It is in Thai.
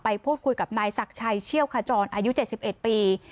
ไปพูดคุยกับนายศักดิ์ชัยเชี่ยวขจรอายุเจ็ดสิบเอ็ดปี